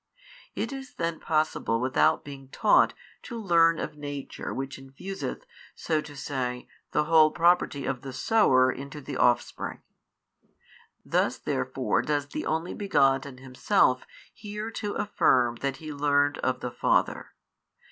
It is then possible without being taught to learn of nature which infuseth so to say the whole property of the sower into tho offspring. Thus therefore does tho Only Begotten Himself here too affirm that He learned of the Father.